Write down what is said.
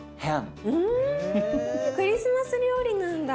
クリスマス料理なんだ。